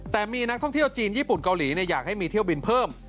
แต่มีนักท่องเที่ยวจีนญี่ปุ่นเกาหลีอยากให้มีเที่ยวบินเพิ่ม